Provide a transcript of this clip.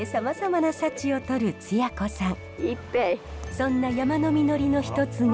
そんな山の実りの一つが。